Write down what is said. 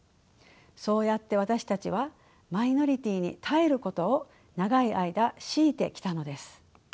そうやって私たちはマイノリティーに耐えることを長い間強いてきたのです。